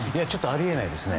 あり得ないですね。